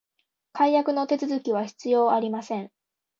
解約のお手続きは必要ありません